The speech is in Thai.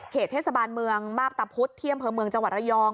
เทศบาลเมืองมาพตะพุธที่อำเภอเมืองจังหวัดระยอง